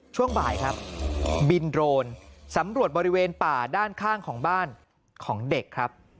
ช่วงบ่ายครับบินโดรนสำรวจบริเวณป่าด้านข้างของบ้านของเด็กครับ